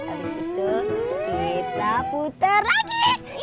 abis itu kita puter lagi